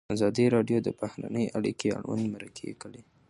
ازادي راډیو د بهرنۍ اړیکې اړوند مرکې کړي.